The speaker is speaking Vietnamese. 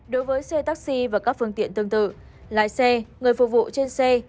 đối với xe taxi và các phương tiện tương tự lái xe người phục vụ trên xe